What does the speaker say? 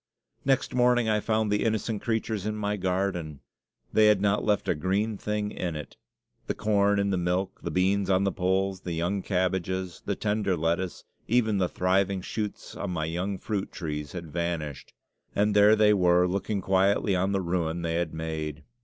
Next morning I found the innocent creatures in my garden. They had not left a green thing in it. The corn in the milk, the beans on the poles, the young cabbages, the tender lettuce, even the thriving shoots on my young fruit trees had vanished. And there they were, looking quietly on the ruin they had made.